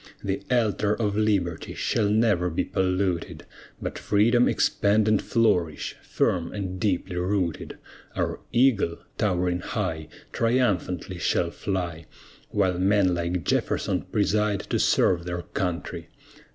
The altar of Liberty shall never be polluted, But freedom expand and flourish, firm and deeply rooted. Our eagle, towering high, Triumphantly shall fly, While men like JEFFERSON preside to serve their country!